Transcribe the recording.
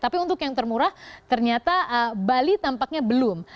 tapi untuk yang termurah ternyata bali tampaknya belum